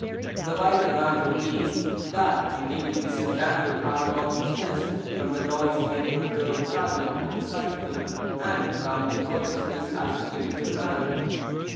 The vital matter is, that we need to disentangle our consciousness from the noisy and perturbed thraldom of the psychical, and to come to consciousness as the spiritual man.